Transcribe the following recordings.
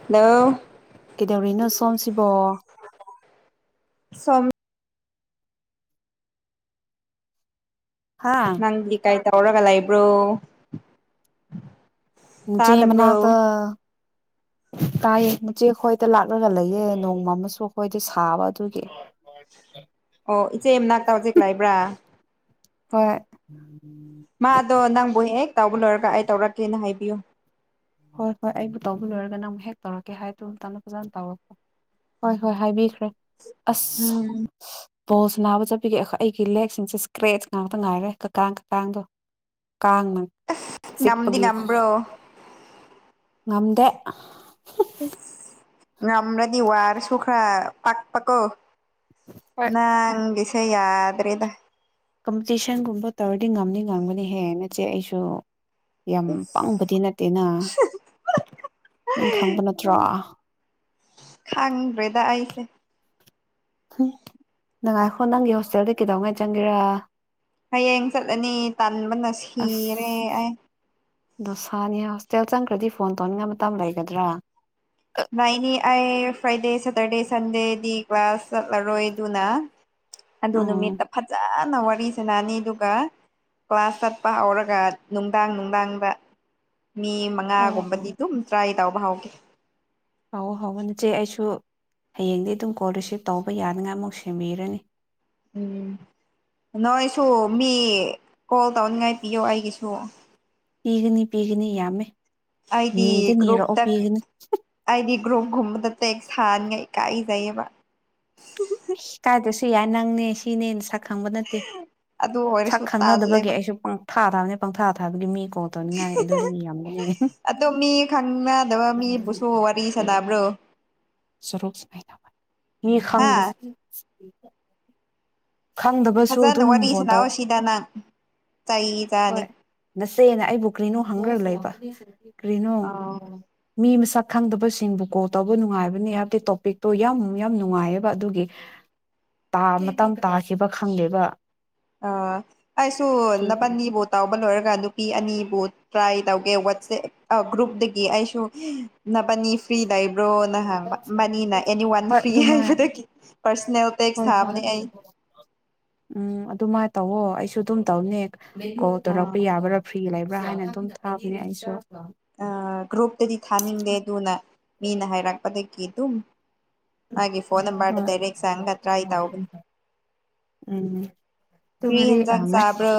ꯑꯟꯑꯣꯗꯤꯕꯜ ꯀꯩꯗꯧꯔꯤꯅꯣ ꯁꯣꯝꯁꯤꯕꯣ ꯁꯣꯝ ꯍꯥ ꯅꯪꯗꯤ ꯀꯥꯏ ꯇꯧꯔꯒ ꯂꯩꯕ꯭ꯔꯣ ꯍꯝꯆꯦ ꯃꯅꯥꯛꯇ ꯇꯥꯗꯕ꯭ꯔꯣ ꯇꯥꯌꯦ ꯃꯆꯦ ꯑꯩꯈꯣꯏꯗ ꯂꯥꯛꯂꯒ ꯂꯩꯌꯦ ꯅꯣꯡꯃ ꯑꯃꯁꯨ ꯑꯩꯈꯣꯏꯗ ꯁꯥꯕ ꯑꯗꯨꯒꯤ ꯑꯣ ꯏꯆꯦ ꯃꯅꯥꯛꯇ ꯍꯧꯖꯤꯛ ꯂꯩꯕ꯭ꯔꯥ ꯍꯣꯏ ꯃꯥꯗꯣ ꯅꯪꯕꯣ ꯍꯦꯛ ꯇꯥꯎꯕ ꯂꯣꯏꯔꯒ ꯑꯩ ꯇꯧꯔꯛꯀꯦꯅ ꯍꯥꯏꯕꯤꯌꯨ ꯍꯣꯏ ꯍꯣꯏ ꯑꯩꯕꯨ ꯇꯧꯕ ꯂꯣꯏꯔꯒ ꯅꯪꯕꯨ ꯍꯦꯛ ꯇꯧꯔꯛꯀꯦ ꯍꯥꯏꯗꯨꯝꯇꯅ ꯐꯖꯅ ꯇꯧꯔꯛꯄꯣ ꯍꯣꯏ ꯍꯣꯏ ꯍꯥꯏꯕꯤꯈ꯭ꯔꯦ ꯑꯁ ꯕꯣꯜꯁꯅꯥꯕ ꯆꯠꯄꯤꯒꯦ ꯈꯣꯏ ꯑꯩꯒꯤ ꯂꯦꯒꯁꯤꯡꯁꯦ ꯏꯁꯀ꯭ꯔꯦꯠꯆ ꯉꯥꯛꯇ ꯉꯥꯏꯔꯦ ꯀꯀꯥ ꯀꯀꯥꯡꯗꯣ ꯀꯥꯡꯅ ꯉꯝꯗꯤ ꯆꯤꯛꯄꯒꯤ ꯈꯣ ꯉꯝꯕ꯭ꯔꯣ ꯉꯝꯗꯦ ꯑꯁ ꯉꯔꯗꯤ ꯋꯥꯔꯁꯨꯈꯥ ꯄꯥꯛ ꯄꯀꯣ ꯍꯣꯏ ꯅꯥꯡꯒꯤꯁꯦ ꯌꯥꯗ꯭ꯔꯦꯗ ꯀꯝꯄꯤꯇꯤꯁꯟꯒꯨꯝꯕ ꯇꯧꯔꯗꯤ ꯉꯝꯅꯤ ꯉꯝꯒꯅꯤ ꯍꯦ ꯅꯆꯦ ꯑꯩꯁꯨ ꯌꯥꯝ ꯄꯪꯕꯗꯤ ꯅꯠꯇꯦꯅ ꯅꯪ ꯈꯪꯕ ꯅꯠꯇ꯭ꯔꯣ ꯁ ꯈꯪꯗ꯭ꯔꯦꯗꯑꯩ ꯎꯝ ꯅꯪꯉꯥꯏꯈꯣ ꯅꯪꯒꯤ ꯍꯣꯁꯇꯦꯜꯗ ꯀꯩꯗꯧꯉꯩ ꯆꯪꯒꯦꯔꯥ ꯍꯌꯦꯡ ꯆꯠꯂꯅꯤ ꯇꯟꯕꯅ ꯑꯁ ꯁꯤꯔꯦ ꯑꯩ ꯇꯦꯜ ꯆꯪꯈ꯭ꯔꯗꯤ ꯐꯣꯟ ꯇꯧꯅꯤꯡꯉꯥꯏ ꯃꯇꯝ ꯂꯩꯒꯗ꯭ꯔꯥ ꯂꯩꯅꯤ ꯑꯩ ꯐ꯭ꯔꯥꯏꯗꯦ ꯁꯦꯇꯔꯗꯦ ꯁꯟꯗꯦꯗꯤ ꯀ꯭ꯂꯥꯁ ꯆꯠꯂꯔꯣꯏ ꯑꯗꯨꯅ ꯑꯗꯨ ꯑꯣ ꯅꯨꯃꯤꯠꯇ ꯐꯖꯅ ꯋꯥ ꯅꯨꯔꯤꯁꯅꯥꯅꯤꯗꯨ ꯀ꯭ꯂꯥꯁ ꯆꯠꯄ ꯍꯧꯔꯒ ꯅꯨꯡꯗꯥꯡ ꯅꯨꯡꯗꯥꯡꯗ ꯃꯤ ꯑꯣ ꯑꯣ ꯃꯉꯥꯒꯨꯝꯕꯗꯤ ꯑꯗꯨꯝ ꯇ꯭ꯔꯥꯏ ꯇꯧꯕ ꯍꯧꯒꯦ ꯍꯧꯋꯣ ꯍꯧꯋꯣ ꯅꯆꯦ ꯑꯩꯁꯨ ꯍꯌꯦꯡꯗꯤ ꯑꯗꯨꯝ ꯀꯣꯜ ꯔꯤꯁꯤꯞ ꯇꯧꯕ ꯌꯥꯅꯉꯥꯏ ꯑꯃꯨꯛ ꯁꯦꯝꯕꯤꯔꯅꯤ ꯎꯝ ꯅꯣꯏꯁꯨ ꯃꯤ ꯀꯣꯜ ꯇꯧꯅꯤꯡꯉꯥꯏ ꯄꯤꯌꯣ ꯑꯩꯒꯤꯁꯨ ꯄꯤꯒꯅꯤ ꯄꯤꯒꯅꯤ ꯌꯥꯝꯃꯦ ꯑꯩꯗꯤ ꯅꯤꯗ ꯒ꯭ꯔꯨꯞ ꯅꯤꯔꯛꯑꯣ ꯇ ꯄꯤꯒꯅꯤ ꯑꯥꯏꯗꯤ ꯒ꯭ꯔꯨꯞ ꯒꯨꯝꯕꯗ ꯐꯦꯛ ꯁꯥꯅꯤꯉꯥꯏ ꯀꯥꯏꯖꯩꯌꯦꯕ ꯁ ꯀꯥꯏꯗ ꯁꯤ ꯌꯥ ꯅꯪꯅꯦ ꯁꯤꯅꯦ ꯁꯛ ꯁ ꯈꯪꯕ ꯅꯠꯇꯦ ꯑꯗꯨ ꯁꯛ ꯑꯣꯏꯔꯁꯨ ꯈꯪꯅꯗꯕꯒꯤ ꯇꯜꯂꯦꯕ ꯑꯩꯁꯨ ꯄꯪꯊꯥ ꯊꯥꯕꯅꯦ ꯄꯪꯊꯥ ꯊꯥꯕꯗꯤ ꯃꯤ ꯄꯣ ꯇꯧꯅꯤꯡꯉꯥꯏ ꯑꯗꯨꯗꯤ ꯌꯥꯝꯃꯤ ꯑꯣ ꯃꯤ ꯈꯪꯅꯗꯕ ꯃꯤꯕꯨꯁꯨ ꯋꯥꯔꯤ ꯁꯥꯟꯅꯕ꯭ꯔꯣ ꯁꯣꯛ ꯃꯤ ꯍꯥ ꯈꯪꯗ ꯈꯪꯗꯕꯁꯨ ꯐꯖꯅ ꯑꯗꯨꯝ ꯋꯥꯔꯤ ꯐꯣꯟ ꯇꯧ ꯁꯥꯟꯅꯧ ꯁꯤꯗ ꯅꯪ ꯆꯩ ꯆꯥꯅꯤ ꯍꯣꯏ ꯅꯁꯦꯅ ꯑꯩꯕꯨ ꯀ꯭ꯔꯤꯅꯣ ꯍꯪꯈ꯭ꯔ ꯂꯩꯕ ꯀꯔꯤꯅꯨ ꯑꯥꯎ ꯃꯤ ꯃꯁꯛ ꯈꯪꯗꯕꯁꯤꯡꯕꯨ ꯀꯣꯜ ꯇꯧꯕ ꯅꯨꯡꯉꯥꯏꯕꯅꯤ ꯍꯥꯏꯕꯗꯤ ꯇꯣꯄꯤꯛꯇꯣ ꯌꯥꯝ ꯌꯥꯝ ꯅꯨꯡꯉꯥꯏꯌꯦꯕ ꯑꯗꯨꯒꯤ ꯇꯥ ꯃꯇꯝ ꯇꯥꯈꯤꯕ ꯈꯪꯉꯦꯕ ꯑꯥ ꯑꯩꯁꯨ ꯅꯄꯅꯤꯐꯥꯎ ꯇꯥꯎꯕ ꯂꯣꯏꯔꯒ ꯑꯗꯨ ꯄꯤ ꯑꯅꯤꯕꯨ ꯇ꯭ꯔꯥꯏ ꯇꯧꯒꯦ ꯋꯥꯆꯦꯞ ꯒ꯭ꯔꯨꯞꯇꯒꯤ ꯑꯩꯁꯨ ꯅꯅꯕꯅꯤ ꯐ꯭ꯔꯤ ꯂꯩ ꯭ꯔꯣꯅ ꯍꯕ ꯃꯅꯤꯅ ꯑꯦꯅꯤ ꯋꯥꯟ ꯍꯣꯏ ꯐ꯭ꯔꯤ ꯑꯗꯨꯃꯥꯏ ꯍꯥꯏꯕꯗꯒꯤ ꯄꯔꯁꯣꯅꯦꯜ ꯇꯦꯛꯁ ꯍꯣꯏ ꯍꯣꯏ ꯍꯥꯕꯅꯦ ꯑꯩ ꯎꯝ ꯑꯗꯨꯃꯥꯏꯅ ꯇꯧꯋꯣ ꯑꯩꯁꯨ ꯑꯗꯨꯝ ꯇꯧꯅꯤ ꯀꯣꯜ ꯇꯧꯔꯛꯄ ꯌꯥꯕ꯭ꯔꯥ ꯐꯤ ꯂꯩꯕ꯭ꯔꯥ ꯍꯥꯏꯅ ꯑꯗꯨꯝ ꯊꯥꯈꯤꯅꯦ ꯑꯩꯁꯨ ꯒ꯭ꯔꯨꯞꯇꯗꯤ ꯊꯥꯅꯤꯡꯗꯦ ꯑꯗꯨꯅ ꯃꯤꯅ ꯍꯥꯏꯔꯛꯄꯗꯒꯤ ꯑꯗꯨꯝ ꯍꯥꯏꯦ ꯐꯣꯟꯝꯕꯕꯥꯔ ꯇꯩꯔꯦꯛꯁ ꯍꯪ ꯍꯥꯠꯇ ꯍꯥꯏꯥꯏꯇ ꯍꯒꯅꯤ ꯎꯝ ꯑꯗꯨ ꯉꯔꯤ ꯑ ꯀ꯭ꯔꯤꯍꯖꯪ ꯆꯕ꯭ꯔꯣ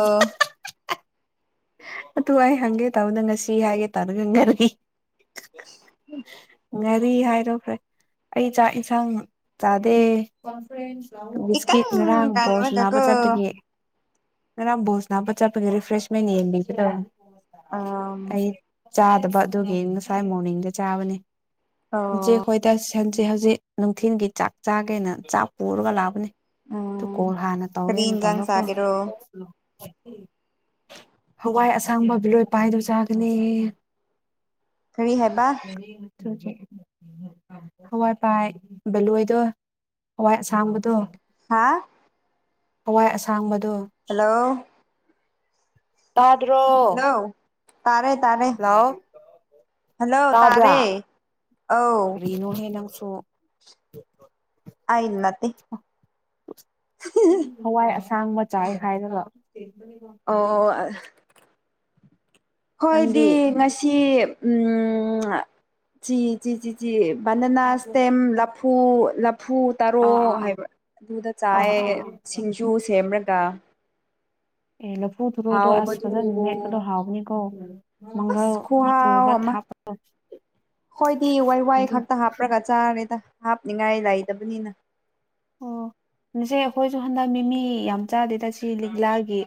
ꯑꯗꯨ ꯑꯩ ꯍꯪꯒꯦ ꯇꯧꯕꯗ ꯉꯁꯤ ꯍꯥꯏꯒꯦ ꯇꯥꯅ ꯈꯪ ꯉꯔꯤ ꯎꯝ ꯉꯥꯔꯤ ꯍꯥꯏꯔꯣ ꯐ꯭ꯔꯦ ꯑꯩ ꯆꯥꯛ ꯌꯦꯟꯁꯥꯡ ꯆꯥꯗꯦ ꯕꯤꯁꯀꯤꯠ ꯏꯀꯪ ꯉꯔꯥꯡ ꯕꯣꯛꯁ ꯅꯥꯕ ꯀꯪꯂꯒꯀꯣ ꯆꯠꯄꯒꯦ ꯀꯔꯝꯕꯨꯣꯁꯅꯥꯕ ꯆꯥꯄ ꯔꯔꯤꯐ꯭ꯔꯦꯁꯃꯦꯟ ꯑ ꯆꯥꯗꯕ ꯑꯗꯨꯒꯤ ꯉꯁꯥꯏ ꯃꯣꯔꯅꯤꯡꯗ ꯆꯥꯕꯅꯤ ꯉꯆꯦ ꯑꯣ ꯈꯈꯣꯏꯗ ꯏꯁ ꯁꯟꯁꯦ ꯍꯧꯖꯤꯛ ꯅꯨꯡꯊꯤꯜꯒꯤ ꯆꯥꯛ ꯆꯥꯒꯦꯅ ꯆꯥꯛ ꯄꯨꯔꯒ ꯂꯥꯛꯕꯅꯤ ꯑꯗꯨ ꯎꯝ ꯀꯣ ꯍꯥꯟꯅ ꯀꯔꯤ ꯇꯧꯔꯦꯅ ꯏꯟꯖꯥꯡ ꯇꯧꯔꯀꯣ ꯆꯥꯒꯦꯔꯣ ꯍꯋꯥꯏ ꯑꯁꯥꯡꯕ ꯕꯤꯂꯣꯏ ꯄꯥꯏꯗꯨ ꯆꯥꯒꯅꯤ ꯐꯔꯤ ꯍꯦꯕ ꯁ ꯍꯋꯥꯏ ꯄꯥꯏ ꯕꯦꯂꯣꯏꯗꯣ ꯍꯋꯥꯏ ꯑꯁꯥꯡꯕꯗꯣ ꯍꯥꯥ ꯍꯋꯥꯏ ꯑꯁꯥꯡꯕꯗ ꯍꯜꯂꯣ ꯇꯥꯗ꯭ꯔꯣ ꯍꯜꯂꯣ ꯇꯥꯔꯦ ꯇꯥꯔꯦ ꯍꯜꯂꯣ ꯍꯜꯂꯣ ꯇꯥꯕ꯭ꯔꯥ ꯇꯥꯔꯦ ꯑ ꯇꯣ ꯑ ꯏꯅꯗꯤ ꯍꯋꯥꯏ ꯑꯁꯥꯡ ꯃꯆꯥꯏ ꯍꯥꯏꯔꯒ ꯑꯣ ꯍꯣꯏꯗꯤ ꯅꯪꯗꯤ ꯉꯁꯤ ꯆ ꯆꯤ ꯆꯤꯆꯦ ꯕꯟꯗꯅꯥ ꯁꯇꯦꯝ ꯂꯐꯨ ꯍꯐꯨ ꯑꯥ ꯇꯔꯣꯛ ꯑꯥ ꯑꯥ ꯍꯥꯏꯕ ꯑꯗꯨꯗ ꯆꯥꯏ ꯑꯥ ꯑꯥ ꯑꯥ ꯁꯤꯡꯖꯨ ꯁꯦꯝꯃꯒ ꯑꯦ ꯂꯐꯨ ꯊꯨꯔꯨꯗꯣ ꯑꯁ ꯐꯖꯅ ꯃꯦꯠꯄꯗꯣ ꯍꯥꯎꯕꯅꯤꯀꯣ ꯃꯪꯒꯜ ꯑꯁ ꯁꯨꯕ ꯊꯥꯄ ꯑ ꯍꯣꯏꯗꯤ ꯋꯥꯏ ꯋꯥꯏ ꯈꯛꯇ ꯍꯥꯞꯄ꯭ꯔꯒ ꯆꯥꯔꯦꯗ ꯍꯥꯞꯅꯤꯡꯉꯥꯏ ꯂꯩꯇꯕꯅꯤꯅ ꯑꯣ ꯁꯤꯁ ꯑꯩꯈꯣꯏꯁꯨ ꯍꯟꯗꯛ ꯃꯤꯃꯤ ꯌꯥꯝ ꯆꯥꯗꯦ ꯇꯁꯤ ꯂꯤꯛꯂꯥꯒꯤ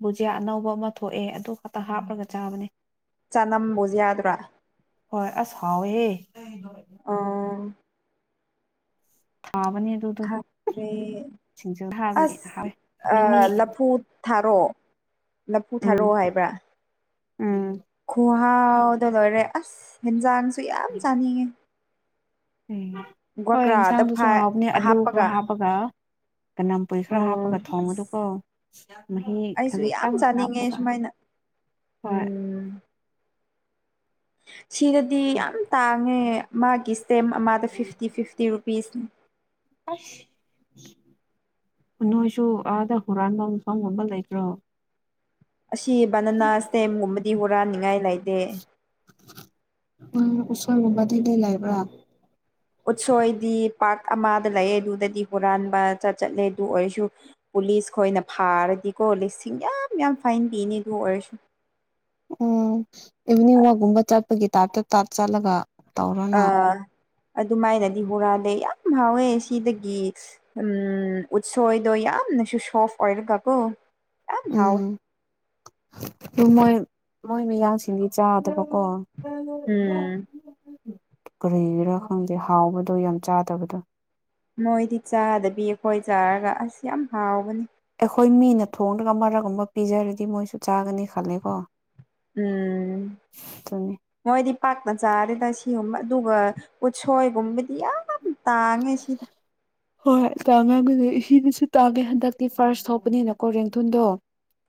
ꯕꯨꯖꯤꯌꯥ ꯑꯅꯧꯕ ꯑꯃ ꯊꯣꯛꯑꯦ ꯑꯗꯨ ꯈꯛꯇ ꯍꯥꯞꯂꯒ ꯆꯥꯕꯅꯦ ꯆꯅꯝꯕꯨ ꯌꯥꯗ꯭ꯔꯥ ꯍꯣꯏ ꯑꯁ ꯍꯥꯎꯋꯦꯦ ꯑ ꯊꯥꯕꯅꯦ ꯑꯗꯨꯗꯣ ꯈꯥꯔꯔꯦ ꯁꯤꯡꯖꯨ ꯍꯥꯕꯗꯤ ꯍꯥꯎꯋꯦ ꯑꯁ ꯃꯤꯃꯤ ꯂꯐꯨ ꯊꯥꯔꯣ ꯂꯐꯨ ꯊꯥꯔꯣ ꯎꯝ ꯍꯥꯏꯕ ꯎꯝ ꯈꯨꯍꯥꯎꯗꯣ ꯂꯣꯏꯔꯦ ꯑꯁ ꯍꯦꯟꯖꯥꯡꯁꯨ ꯌꯥꯝ ꯆꯥꯅꯤꯡꯉꯦ ꯎꯝ ꯍꯣꯏ ꯒ꯭ꯋꯥꯀ꯭ꯔꯥꯗ ꯌꯦꯟꯁꯥꯡꯗꯨꯁꯨ ꯐꯥꯏ ꯍꯥꯎꯕꯅꯦ ꯑꯂꯨ ꯈꯔ ꯍꯥꯞꯄꯒ ꯀꯅꯝ ꯄꯨꯨꯏ ꯈꯔ ꯎꯝ ꯍꯥꯞꯄꯒ ꯊꯣꯡ ꯑꯁ ꯑꯗꯨꯒꯀꯣ ꯃꯍꯤ ꯑꯩꯁꯨ ꯌꯥꯝ ꯈꯖꯤꯛꯇꯪ ꯆꯥꯅꯤꯡꯉꯦ ꯍꯥꯞꯄꯒ ꯁꯨꯃꯥꯏꯅ ꯍꯣꯏ ꯎꯝ ꯁꯤꯗꯗꯤ ꯌꯥꯝ ꯇꯥꯡꯉꯦ ꯃꯥꯒꯤ ꯁ꯭ꯇꯦꯝ ꯑꯃꯗ ꯐꯤꯐꯇꯤ ꯐꯤꯐꯇꯤ ꯔꯨꯄꯤꯁꯅꯤ ꯑꯁ ꯅꯣꯏꯁꯨ ꯑꯥꯗ ꯍꯨꯔꯥꯟꯕ ꯃꯐꯝ ꯑꯃ ꯂꯩꯕ꯭ꯔꯣ ꯑꯁꯤ ꯕꯅꯅꯥ ꯏꯁꯇꯦꯝꯒꯨꯝꯕꯗꯤ ꯍꯨꯔꯥꯅꯤꯉꯥꯏ ꯂꯩꯇꯦ ꯎꯁꯣꯏ ꯒꯨꯝꯕꯗꯤ ꯂꯩ ꯂꯥꯏꯕ꯭ꯔꯥ ꯎꯠꯁꯣꯏꯗꯤ ꯄꯥ ꯑꯃꯗ ꯂꯩꯑꯦ ꯑꯗꯨꯗꯗꯤ ꯍꯨꯔꯥꯟꯕ ꯆꯠꯂꯦ ꯑꯗꯨ ꯑꯣꯏꯔꯁꯨ ꯄꯨꯂꯤꯁ ꯈꯣꯏꯅ ꯐꯥꯔꯗꯤ ꯀꯣ ꯂꯤꯁꯤꯡ ꯌꯥꯝ ꯌꯥꯝ ꯐꯥꯏꯟ ꯄꯤꯅꯤ ꯑꯗꯨ ꯑꯣꯏꯔꯁꯨ [inaudible] ꯎꯝ ꯏꯚꯤꯅꯤꯡ ꯋꯥꯛꯀꯨꯝꯕ ꯆꯠꯄꯒꯤ ꯇꯥꯏꯞꯇ ꯇꯞ ꯆꯠꯂꯒ ꯇꯧꯔꯅ ꯑꯥ ꯑꯗꯨꯃꯥꯏꯅꯗꯤ ꯍꯨꯔꯥꯗꯦ ꯌꯥꯝ ꯍꯥꯎꯋꯦ ꯁꯤꯗꯒꯤ ꯎ ꯎꯠꯁꯣꯏꯗꯣ ꯌꯥꯝ ꯁꯤ ꯁꯣꯐ ꯑꯣꯏꯜ ꯀꯒꯣ ꯎꯝ ꯑꯗꯨ ꯃꯣꯏ ꯃꯣꯏ ꯃꯌꯥꯡꯁꯤꯡꯗꯤ ꯆꯥꯗꯕ ꯎꯝ ꯀꯔꯤꯔꯥ ꯈꯪꯗꯦ ꯍꯥꯎꯕꯗꯣ ꯌꯥꯝ ꯆꯥꯗꯕꯗꯣ ꯃꯣꯏꯗꯤ ꯆꯥꯗꯕꯤ ꯑꯩꯈꯣꯏ ꯆꯥꯔꯒ ꯑꯁ ꯌꯥꯝ ꯍꯥꯎꯕꯅꯤ ꯑꯩꯈꯣꯏ ꯃꯤꯅ ꯊꯣꯡꯗꯒ ꯃꯔꯛꯒꯨꯝꯕ ꯄꯤꯖꯔꯗꯤ ꯃꯣꯏꯁꯨ ꯆꯥꯒꯅꯤ ꯈꯜꯂꯦꯀꯣ ꯎꯝ ꯑꯗꯨꯅꯤ ꯃꯣꯏꯗꯤ ꯄꯥꯛꯇ ꯆꯥꯔꯦꯗ ꯁꯤꯒꯨꯝꯕ ꯑꯗꯨꯒ ꯎꯠꯁꯣꯏꯒꯨꯝꯕꯗꯤ ꯌꯥꯝ ꯇꯥꯡꯉꯦ ꯁꯤꯗ ꯍꯣꯏ ꯇꯥꯡ ꯉꯝꯒꯅꯤ ꯏꯗꯁꯨ ꯇꯥꯡꯒꯦ ꯍꯟꯗꯛꯇꯤ ꯐꯥꯔꯁ ꯊꯧꯕꯅꯤꯅꯀꯣ ꯔꯦꯡꯊꯜꯗꯣ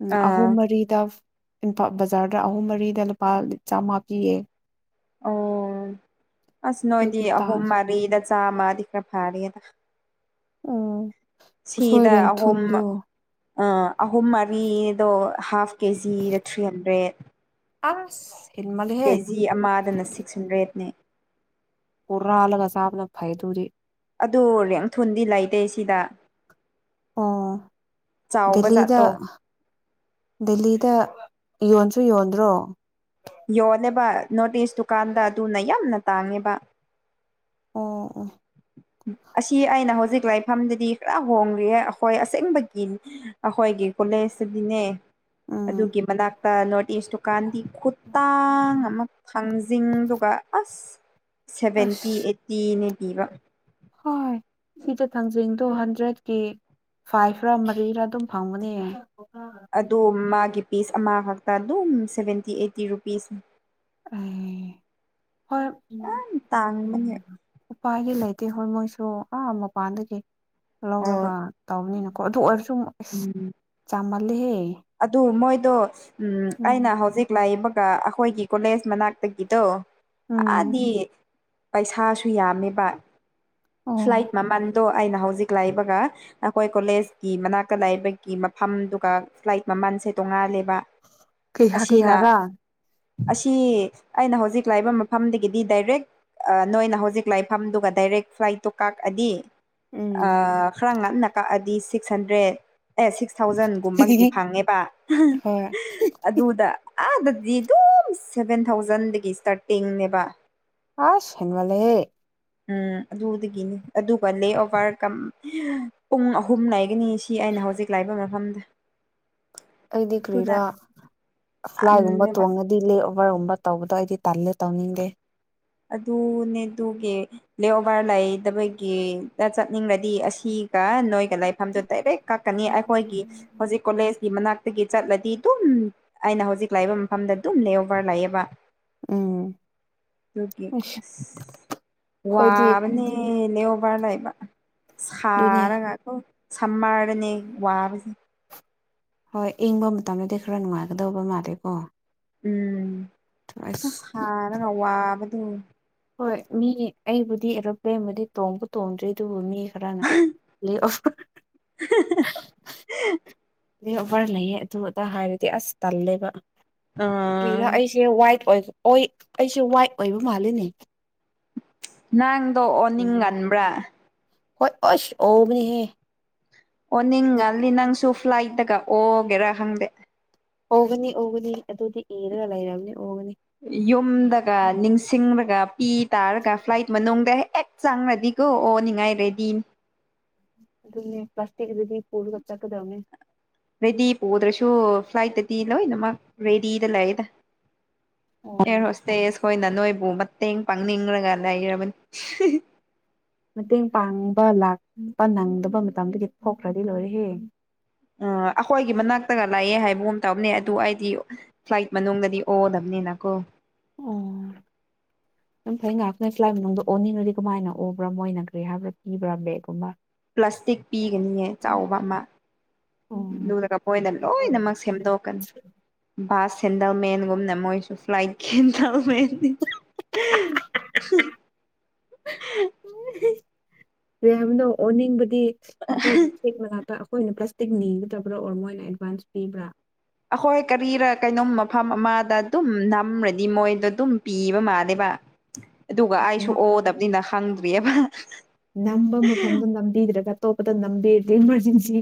ꯎꯝ ꯑꯍꯨꯝ ꯑꯥ ꯃꯔꯤꯗ ꯏꯝꯐꯥꯜ ꯕꯖꯥꯔꯗ ꯑꯍꯨꯝ ꯃꯔꯤꯗ ꯂꯨꯄꯥ ꯆꯥꯝꯃ ꯄꯤꯌꯦ ꯑꯣ ꯑꯁ ꯅꯣꯗꯤ ꯑꯗꯨꯒꯤ ꯑꯍꯨꯝ ꯇꯥꯡ ꯃꯔꯤꯗ ꯆꯃꯗꯤ ꯈ ꯐꯔꯤꯗ ꯎꯝ ꯎꯁꯣꯏ ꯁꯤꯗ ꯑꯍꯨꯝ ꯔꯦꯡꯊꯨꯜꯗꯣ ꯑ ꯑꯍꯨꯝ ꯃꯔꯤꯗꯣ ꯍꯥꯐ ꯀꯦꯖꯤꯗ ꯊ꯭ꯔꯤ ꯍꯟꯗ꯭ꯔꯦꯠ ꯑꯁ ꯍꯦꯟꯃꯜꯂꯦꯍꯦ ꯀꯦꯖꯤ ꯑꯃꯗꯅ ꯁꯤꯛꯁ ꯍꯟꯗ꯭ꯔꯦꯠꯅꯦ ꯍꯨꯔꯥꯜꯂꯒ ꯁꯥꯕꯅ ꯐꯩ ꯇꯨꯔꯤ ꯑꯗꯨ ꯔꯦꯡꯊꯨꯟꯗꯤ ꯂꯩꯇꯦ ꯁꯤꯗ ꯑꯣ ꯆꯥꯎꯕ ꯗꯦꯜꯂꯤꯗ ꯖꯥꯠꯇꯣ ꯗꯦꯜꯂꯤꯗ ꯌꯣꯟꯁꯨ ꯌꯣꯟꯗ꯭ꯔꯣ ꯌꯣꯅꯦꯕ ꯅꯣꯔꯠ ꯏꯁ ꯗꯨꯀꯥꯟꯗ ꯑꯗꯨꯅ ꯌꯥꯝꯅ ꯇꯥꯡꯉꯦꯕ ꯑꯣ ꯑꯁꯤ ꯑꯩꯅ ꯍꯧꯖꯤꯛ ꯂꯥꯏꯐꯝꯗꯗꯤ ꯈꯔ ꯍꯣꯡꯂꯤ ꯑꯩꯈꯣꯏ ꯑꯁꯦꯡꯕꯒꯤ ꯑꯩꯈꯣꯏꯒꯤ ꯀꯣꯂꯦꯖꯇꯗꯤꯅꯦ ꯎꯝ ꯑꯗꯨꯒꯤ ꯃꯅꯥꯛꯇ ꯅꯣꯔꯠ ꯏꯁ ꯗꯨꯀꯥꯟꯗꯤ ꯈꯨꯠꯇꯥꯡ ꯑꯃ ꯊꯥꯡꯖꯤꯡꯗꯨꯒ ꯑꯁ ꯑꯁ ꯁꯚꯦꯟꯇꯤ ꯑꯩꯠꯇꯤꯅ ꯄꯤꯕ ꯍꯣꯏ ꯁꯤꯗ ꯊꯥꯡꯖꯤꯡꯗꯣ ꯍꯟꯗ꯭ꯔꯦꯠꯀꯤ ꯐꯥꯏꯚꯔꯥ ꯃꯔꯤꯔꯥ ꯑꯗꯨꯝ ꯐꯪꯕꯅꯦ ꯑ ꯃꯥꯒꯤ ꯄꯤꯁ ꯑꯃꯈꯛꯇ ꯑꯗꯨꯝ ꯁꯚꯦꯟꯇꯤ ꯑꯩꯠꯇꯤ ꯔꯨꯄꯤꯁ ꯑ ꯍꯣꯏ ꯎ ꯇꯥꯡꯕꯅꯦ ꯎꯄꯥꯏꯒꯤ ꯂꯩꯇꯦ ꯍꯣꯏ ꯃꯣꯏꯁꯨ ꯑꯥ ꯃꯄꯥꯟꯗꯒꯤ ꯑꯣ ꯂꯧꯔꯒ ꯇꯧꯕꯅꯤꯅꯀꯣ ꯑꯗꯨ ꯑꯣꯏꯔꯁꯨ ꯁꯨꯝ ꯎꯝ ꯆꯥꯃꯜꯂꯦꯍꯦ ꯑꯗꯨ ꯃꯣꯏꯗꯣ ꯎꯝ ꯑꯩꯅ ꯍꯧꯖꯤꯛ ꯂꯥꯛꯏꯕ ꯑꯩꯈꯣꯏꯒꯤ ꯀꯣꯂꯦꯖ ꯃꯅꯥꯛꯇꯒꯤꯗꯣ ꯎꯝ ꯑꯥꯗꯤ ꯄꯩꯁꯥꯁꯨ ꯌꯥꯝꯃꯦꯕ ꯑꯣ ꯐ꯭ꯂꯥꯏꯠ ꯃꯃꯟꯗꯣ ꯑꯩꯅ ꯍꯧꯖꯤꯛ ꯂꯥꯛꯏꯕꯒ ꯑꯩꯈꯣꯏ ꯀꯣꯂꯦꯖꯀꯤ ꯃꯅꯥꯛꯇ ꯂꯥꯛꯏꯕꯒꯤ ꯃ ꯑꯗꯨꯒ ꯐ꯭ꯂꯥꯏꯠ ꯃꯃꯜꯁꯦ ꯇꯣꯡꯉꯦ ꯀꯩꯍꯥ ꯑꯁꯤꯅ ꯀꯩꯍꯥꯔꯥ ꯑꯁꯤ ꯑꯩꯅ ꯍꯧꯖꯤꯛ ꯂꯥꯛꯏꯕ ꯃꯐꯝꯗꯒꯤꯗꯤ ꯗꯥꯏꯔꯦꯛ ꯅꯣꯏꯅ ꯍꯧꯖꯤꯛ ꯂꯥꯛꯏꯐꯝꯗꯨꯒ ꯗꯥꯏꯔꯦꯛ ꯐ꯭ꯂꯥꯏꯠ ꯇꯣ ꯀꯥꯛꯑꯗꯤ ꯎꯝ ꯈꯔ ꯉꯟꯅ ꯀꯛꯑꯗꯤ ꯁꯤꯛꯁ ꯍꯟꯗ꯭ꯔꯦꯠ ꯑꯦ ꯁꯤꯛꯁ ꯊꯥꯎꯖꯟꯒꯨꯝꯕꯒꯤ ꯐꯪꯉꯦꯕ ꯍꯣꯏ ꯑꯗꯨꯗ ꯑꯥꯗ ꯖꯤ ꯑꯗꯨꯝ ꯁꯚꯦꯟ ꯊꯥꯎꯖꯟꯗꯒꯤ ꯏꯁꯇꯥꯔꯇꯤꯡꯅꯦꯕ ꯑ ꯁꯦꯟꯋꯥꯂꯦ ꯎꯝ ꯑꯗꯨꯗꯒꯤꯅꯤ ꯑꯗꯨꯒ ꯂꯦ ꯑꯣꯚꯔ ꯄꯨꯡ ꯑꯍꯨꯝ ꯂꯩꯒꯅꯤ ꯁꯤ ꯑꯩꯅ ꯍꯧꯖꯤꯛ ꯂꯥꯛꯏꯕ ꯃꯐꯝꯗ ꯑꯩꯗꯤ ꯑꯗꯨꯅ ꯀ꯭ꯔꯤꯔꯥ ꯐ꯭ꯂꯥꯏꯒꯨꯝꯕ ꯇꯣꯡꯉꯗꯤ ꯂꯦꯛꯑꯣ ꯕꯔꯒꯨꯝꯕ ꯇꯧꯕꯗꯣ ꯑꯩꯗꯤ ꯇꯜꯂꯦ ꯇꯧꯅꯤꯡꯒꯦ ꯑꯗꯨꯅꯦꯗꯨꯒꯤ ꯂ꯭ꯂꯦꯑꯣꯚꯔ ꯂꯩꯗꯕꯒꯤꯗ ꯆꯠꯅꯤꯡꯂꯗꯤ ꯑꯁꯤ ꯅꯣꯏꯒ ꯂꯥꯏꯐꯝꯁꯨ ꯗꯥꯏꯔꯦꯛ ꯀꯛꯀꯅꯤ ꯑꯩꯈꯣꯏꯒꯤ ꯍꯧꯖꯤꯛ ꯀꯣꯂꯦꯖꯀꯤ ꯃꯅꯥꯛꯇ ꯒꯤ ꯆꯠꯂꯗꯤ ꯑꯗꯨꯝ ꯑꯩꯅ ꯍꯧꯖꯤꯛ ꯂꯥꯛꯏꯕ ꯃꯐꯝꯗ ꯑꯗꯨꯝ ꯂꯦꯑꯣꯚꯔ ꯂꯥꯛꯑꯦꯕ ꯎꯝ ꯑꯗꯨꯒꯤ ꯏꯁ ꯑꯁ ꯈꯣꯏꯗꯤ ꯋꯥꯕꯅꯦ ꯂꯦ ꯑꯣꯚꯔ ꯂꯩꯕ ꯑꯗꯨꯅꯤ ꯁꯥꯔꯒꯈꯣ ꯁꯝꯃꯥꯔꯅꯤ ꯋꯥꯕꯁꯦ ꯍꯣꯏ ꯏꯪꯕ ꯃꯇꯝꯗꯗꯤ ꯈꯔ ꯅꯨꯡꯉꯥꯏꯒꯗꯧꯕ ꯃꯥꯜꯂꯦ ꯀꯣ ꯎꯝ ꯑ ꯁꯥꯔꯒ ꯋꯥꯕꯗꯤ ꯍꯣꯏ ꯃꯤ ꯑꯩꯕꯨꯗꯤ ꯑꯦꯔꯣꯄ꯭ꯂꯦꯟꯕꯨꯗꯤ ꯇꯣꯡꯕ ꯇꯣꯡꯗ꯭ꯔꯤ ꯑꯗꯨꯕꯨ ꯃꯤ ꯈꯅꯑꯣ ꯑꯗꯨ ꯑꯣꯐꯔ ꯂꯩꯌꯦꯦ ꯑꯗꯨ ꯑꯇꯥ ꯍꯥꯏꯔꯗꯤ ꯑꯁ ꯇꯜꯂꯦꯕ ꯑꯥ ꯀꯔꯥ ꯑꯩꯁꯦ ꯋꯥꯏꯠ ꯑꯩꯁꯦ ꯋꯥꯏꯠ ꯑꯣꯏꯕ ꯃꯥꯜꯂꯤꯅꯦ ꯅꯪꯗꯣ ꯑꯣꯅꯤꯡꯒꯟꯕ꯭ꯔꯥ ꯍꯣꯏ ꯑꯣꯁ ꯑꯣꯕꯅꯤꯍꯦ ꯑꯣ ꯅꯤꯡ ꯑꯜꯂꯤ ꯅꯪꯁꯨ ꯐ꯭ꯂꯥꯏꯠꯇꯒ ꯑꯣꯒꯦꯔꯥ ꯍꯪꯗꯦ ꯑꯣꯒꯅꯤ ꯑꯣꯒꯅꯤ ꯑꯗꯣꯗꯤ ꯌꯦꯔꯒꯥꯏꯔ ꯑꯃꯅꯤ ꯌꯨꯝꯗꯒ ꯅꯤꯡꯁꯤꯡꯂꯒ ꯄꯤ ꯇꯥꯔꯒ ꯐ꯭ꯂꯥꯏꯠ ꯃꯅꯨꯡ ꯑꯦꯛ ꯆꯥꯡ ꯔꯦꯗꯤꯒꯣ ꯑꯣ ꯅꯤꯡꯉꯥꯏ ꯔꯦꯗꯤ ꯑꯗꯨꯅꯦ ꯄ꯭ꯂꯥꯁꯇꯤꯛ ꯑꯗꯨꯗꯤ ꯄꯨꯔꯒ ꯆꯠꯀꯗꯕꯅꯦ ꯔꯦꯗꯤ ꯄꯨꯗ꯭ꯔꯁꯨ ꯐ꯭ꯂꯥꯏꯠꯇꯗꯤ ꯂꯣꯏꯅꯃꯛ ꯔꯦꯗꯤꯗ ꯂꯩꯗ ꯑꯣ ꯑꯦꯔ ꯍꯁꯇꯁ ꯑꯩꯣꯏꯅ ꯅꯣꯏꯕꯨ ꯃꯇꯦꯡ ꯄꯥꯡꯅꯤꯡꯂꯒ ꯂꯩꯔꯕꯅꯤ ꯃꯇꯦꯡ ꯄꯥꯡꯕ ꯂꯥꯛꯄ ꯅꯪꯗꯕ ꯃꯇꯝꯗꯨꯒꯤ ꯊꯣꯛꯈ꯭ꯔꯗꯤ ꯂꯣꯏꯔꯦꯍꯌꯦ ꯑ ꯑꯩꯈꯣꯏꯒꯤ ꯃꯅꯥꯛꯇꯒ ꯂꯥꯛꯑꯦ ꯍꯥꯏꯕꯒꯨꯝ ꯇꯕꯅꯦ ꯑꯗꯨ ꯑꯩꯗꯤ ꯐ꯭ꯂꯥꯏꯠ ꯃꯅꯨꯡꯗꯗꯤ ꯑꯣꯗꯕꯅꯤ ꯅꯤꯅꯥꯀꯣ ꯑꯣ ꯑꯗꯨꯝ ꯐꯩ ꯉꯥꯏꯍꯥꯛꯈ ꯅ ꯁ꯭ꯂꯥꯏ ꯃꯅꯨꯡꯗ ꯑꯣꯟꯅꯤꯡꯅꯗꯤ ꯀꯃꯥꯏꯅ ꯎꯕ꯭ꯔꯥ ꯃꯣꯏꯅ ꯀꯔꯤ ꯍꯥꯏꯕꯥꯤꯕ꯭ꯔꯥꯕꯒꯨꯝꯕ ꯄ꯭ꯂꯥꯁꯇꯤꯛ ꯄꯤꯒꯅꯤꯑ ꯆꯥꯎꯕ ꯑꯃ ꯑꯣ ꯂꯔꯒ ꯄꯣꯏꯗ ꯂꯣꯏꯅꯃꯛ ꯁꯦꯝꯗꯣꯛꯀꯅꯤ ꯕꯥꯁ ꯁꯦꯟꯗꯜꯃꯦꯟꯒꯨꯝꯅ ꯃꯣꯏꯁꯨ ꯐ꯭ꯂꯥꯏ ꯁꯦꯟꯗꯜꯃꯦꯟꯗꯤ [unintelligible] ꯃꯌꯥꯝꯅ ꯑꯣꯅꯤꯡꯕꯗꯤ ꯑꯩꯈꯣꯏꯒꯤ ꯁꯦꯛꯅ ꯉꯥꯛꯇ ꯑꯩꯈꯣꯏꯅ ꯄ꯭ꯂꯥꯁꯇꯤꯛ ꯅꯤꯒꯗꯕ꯭ꯔꯥ ꯑꯣꯔ ꯃꯣꯏꯅ ꯑꯦꯗꯚꯥꯟꯁ ꯄꯤꯕ꯭ꯔꯥ ꯑꯩꯈꯣꯏ ꯀꯔꯤꯔ ꯀꯩꯅꯣꯝ ꯃꯐꯝ ꯑꯃꯗ ꯑꯗꯨꯝ ꯅꯝꯃꯗꯤ ꯃꯣꯏꯗꯣ ꯑꯗꯨꯝ ꯄꯤꯕ ꯃꯥꯜꯂꯦꯕ ꯑꯗꯨꯒ ꯑꯩꯁꯨ ꯅ ꯑꯣꯗꯕꯅꯤꯅ ꯈꯪꯗ꯭ꯔꯤꯑꯕ ꯅꯝꯕ ꯃꯐꯝꯗꯣ ꯅꯝꯕꯤꯗ꯭ꯔꯒ ꯑꯇꯣꯞꯄꯗ ꯅꯝꯕꯤꯔꯗꯤ ꯖꯤ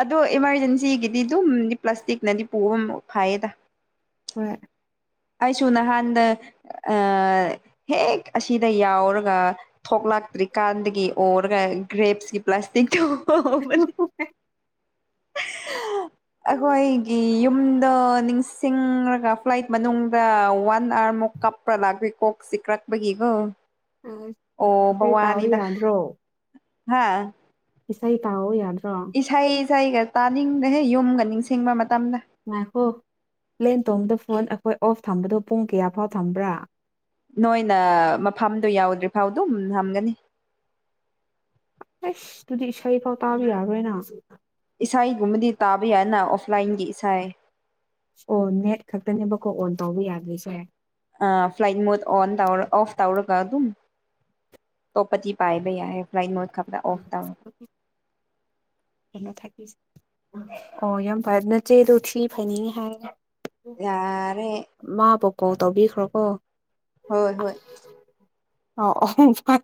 ꯑꯗꯣ ꯏꯃꯥꯔꯖꯦꯟꯁꯤꯒꯤꯗꯤ ꯑꯗꯨꯝꯗꯤ ꯄ꯭ꯂꯥꯁꯇꯤꯛꯅꯗꯤ ꯄꯨꯕ ꯑꯃ ꯐꯥꯏꯌꯦꯗ ꯍꯣꯏ ꯑꯩꯁꯨ ꯅꯍꯥꯟꯗ ꯍꯦꯛ ꯑꯁꯤꯗ ꯌꯥꯎꯔꯒ ꯊꯣꯛꯂꯛ ꯂꯥꯛꯇ꯭ꯔꯤꯀꯥꯟꯗꯒꯤ ꯑꯣꯔꯒ ꯒ꯭ꯔꯦꯞꯁ ꯄ꯭ꯂꯥꯁꯇꯤꯛꯇꯣ ꯑꯩꯈꯣꯏꯒꯤ ꯌꯨꯝ ꯑ ꯅꯤꯡꯁꯤꯡꯔꯒ ꯐ꯭ꯂꯥꯏꯠ ꯃꯅꯨꯡꯗ ꯋꯥꯟ ꯑꯥꯋꯥꯔꯃꯨꯛ ꯀꯞꯄ꯭ꯔꯥ ꯂꯥꯛꯄꯤꯦ ꯀꯣꯛꯁꯤ ꯀ꯭ꯔꯛꯄꯒꯤꯒꯣ ꯑ ꯑꯣ ꯏꯁꯩ ꯇꯥꯎ ꯋꯥꯅꯤꯗ ꯌꯥꯗ꯭ꯔꯣ ꯍꯥꯥ ꯏꯁꯩꯥꯏ ꯇ ꯌꯥꯗ ꯏꯁꯩ ꯏꯁꯩꯒ ꯇꯥꯅꯤꯡꯗꯍꯦ ꯌꯨꯝꯒ ꯅꯤꯡꯁꯤꯡꯕ ꯃꯇꯝꯗ ꯉꯥꯏꯈꯣ ꯄ꯭ꯂꯦꯟ ꯇꯣꯝꯗ ꯐꯣꯟ ꯑꯩꯈꯣꯏ ꯑꯣꯐ ꯊꯝꯕꯗꯣ ꯄꯨꯡ ꯀꯌꯥꯐꯥꯎ ꯊꯝꯕ꯭ꯔꯥ ꯅꯣꯏꯅ ꯃꯐꯝꯗꯨ ꯌꯥꯎꯗ꯭ꯔꯤꯐꯥꯎ ꯑꯗꯨꯝ ꯊꯝꯒꯅꯤ ꯑꯁ ꯑꯗꯨꯨꯗꯤ ꯏꯁꯩ ꯐꯥꯎ ꯇꯥꯕꯤ ꯌꯥꯔꯣꯏꯅ ꯏꯁꯩꯒꯨꯝꯕꯗꯤ ꯇꯥꯕ ꯌꯥꯅ ꯑꯣꯐꯂꯥꯏꯟꯒꯤ ꯏꯁꯥꯏ ꯀꯣ ꯑꯣꯟ ꯇꯧꯕ ꯌꯥꯗ꯭ꯦꯁꯦ ꯑ ꯐ꯭ꯂꯥꯏꯠ ꯃ ꯑꯣ ꯇꯥꯔ ꯑꯣꯐ ꯇꯥꯥꯎꯔ ꯀ ꯑꯗꯨ ꯇꯣ ꯄꯇꯤ ꯄꯥꯏꯕꯤꯩ ꯍꯥꯏ ꯐ꯭ꯂꯥꯏ ꯃꯣꯠ ꯈꯛꯇ ꯑꯣꯐ ꯇꯧ ꯀꯩꯅꯣ ꯊꯦ ꯑꯣ ꯌꯥꯝ ꯐꯔꯦ ꯑꯗꯨ ꯅꯆꯦꯗꯣ ꯁꯤ ꯐꯅꯤꯉ ꯍꯥꯏꯦ ꯌꯥꯔꯦ ꯀꯣ ꯇꯧꯕꯤꯈ꯭ꯔꯣꯀꯣ ꯍꯣꯏ ꯍꯣꯏ ꯑ